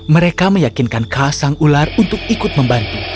mereka meyakinkan chil untuk ikut membantu